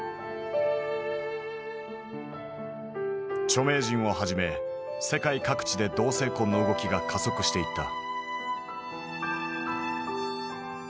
著名人をはじめ世界各地で同性婚の動きが加速していった。